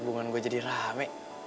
mending gak usah deh gue